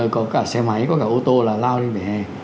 có cả xe máy có cả ô tô là lao lên vỉa hè